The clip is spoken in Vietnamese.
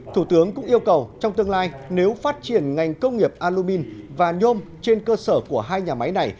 thủ tướng cũng yêu cầu trong tương lai nếu phát triển ngành công nghiệp alumin và nhôm trên cơ sở của hai nhà máy này